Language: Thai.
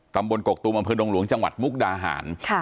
ตำบลกรกตูบำพื้นดงหลวงจังหวัดมุกดาหาร